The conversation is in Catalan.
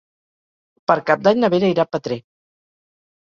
Per Cap d'Any na Vera irà a Petrer.